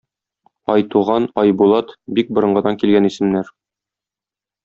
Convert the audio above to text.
Айтуган, Айбулат - бик борынгыдан килгән исемнәр.